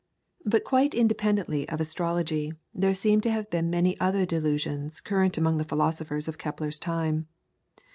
] But quite independently of astrology there seem to have been many other delusions current among the philosophers of Kepler's time.